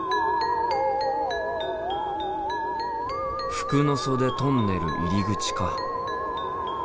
服ノ袖トンネル入り口か。